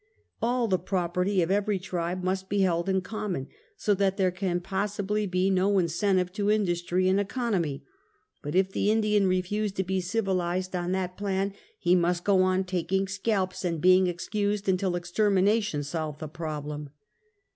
All the property of every tribe must be held in common, so that there can possibly be no incentive to industry and econ omy; but if the Indian refuse to be civilized on that plan, he must go on taking scalps and being excused, until extermination solve the problem.